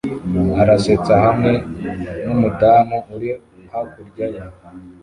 arasetsa hamwe numudamu uri hakurya ye